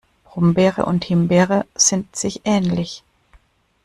Brombeere und Himbeere sind sich ähnlich.